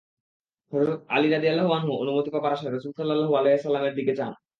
হযরত আলী রাযিয়াল্লাহু আনহু অনুমতি পাবার আশায় রাসূল সাল্লাল্লাহু আলাইহি ওয়াসাল্লাম-এর দিকে চান।